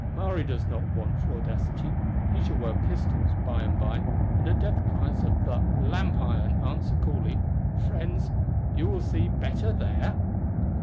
Maury does not want for audacity. He shall wear pistols, by and by; and at death cries of 'La Lanterne, The Lamp iron;' answer coolly, 'Friends, will you see better there?